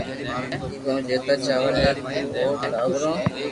ڪو جيتا چاور ھي تو او ٽاٻرو